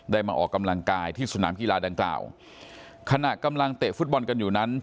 มาออกกำลังกายที่สนามกีฬาดังกล่าวขณะกำลังเตะฟุตบอลกันอยู่นั้น